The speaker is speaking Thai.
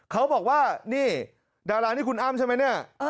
เขาบอกว่านี่ดารานี่คุณอ้ำใช่ไหมเนี่ย